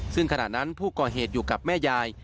ซึ่งขณะนั้นผู้ก่อเหตุอยู่กับแม่ยาย